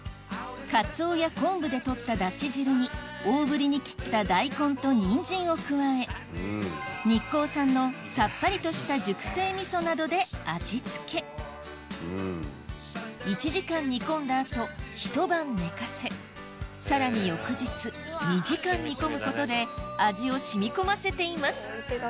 カツオや昆布で取ったダシ汁に大ぶりに切ったダイコンとニンジンを加え日光産のさっぱりとした熟成味噌などで味付け１時間煮込んだ後ひと晩寝かせさらに翌日２時間煮込むことで味を染み込ませています